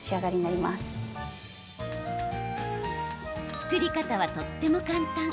作り方は、とっても簡単。